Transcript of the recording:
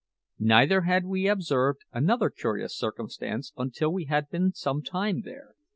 Neither had we observed another curious circumstance until we had been some time there.